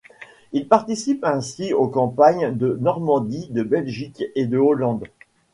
Il participe ainsi aux campagnes de Normandie, de Belgique et de Hollande.